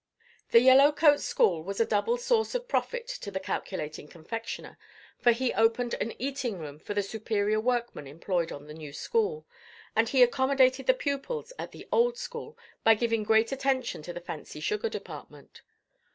The Yellow Coat School was a double source of profit to the calculating confectioner; for he opened an eating room for the superior workmen employed on the new school, and he accommodated the pupils at the old school by giving great attention to the fancy sugar department.